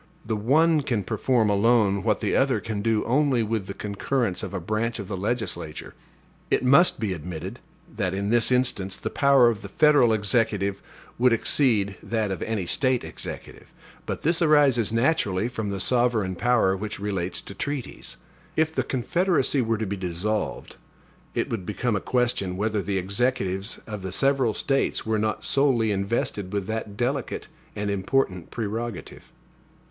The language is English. The one can perform alone what the other can do only with the concurrence of a branch of the legislature. It must be admitted, that, in this instance, the power of the federal Executive would exceed that of any State Executive. But this arises naturally from the sovereign power which relates to treaties. If the Confederacy were to be dissolved, it would become a question, whether the Executives of the several States were not solely invested with that delicate and important prerogative.